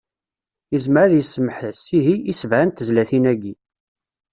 Yezmer ad yessemḥes, ihi, i sebɛa n tezlatin-agi.